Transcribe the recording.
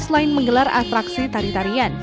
selain menggelar atraksi tarian tarian